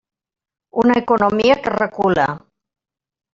Una economia que recula.